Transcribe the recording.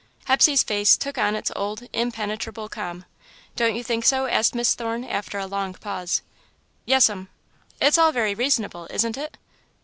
Hepsey's face took on its old, impenetrable calm. "Don't you think so?" asked Miss Thorne, after a long pause. "Yes'm." "It's all very reasonable, isn't it?"